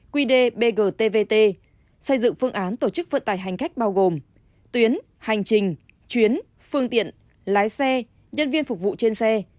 quy đề bgtvt xây dựng phương án tổ chức vận tải hành khách bao gồm tuyến hành trình chuyến phương tiện lái xe nhân viên phục vụ trên xe